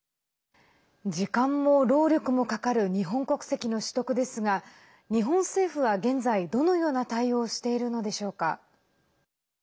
時間も労力もかかる日本国籍の取得ですが日本政府は現在どのような対応をしているのでしょうか。